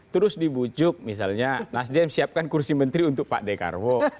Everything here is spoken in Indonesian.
terus dibujuk misalnya nasdem siapkan kursi menteri untuk pak dekarwo